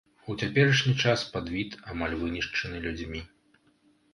У цяперашні час падвід амаль вынішчаны людзьмі.